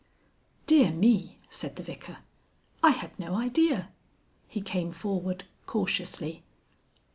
"Dear me!" said the Vicar. "I had no idea." He came forward cautiously.